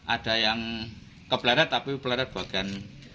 ada yang ke peleret tapi peleret bagian